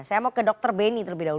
saya mau ke dr beni terlebih dahulu